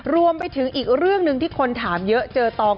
รวมไปถึงอีกเรื่องหนึ่งที่คนถามเยอะเจอตอง